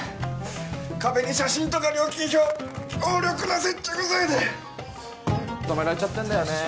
壁に写真とか料金表強力な接着剤で留められちゃってんだよね。